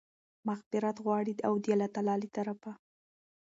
مغفرت غواړي، او د الله تعالی د طرفه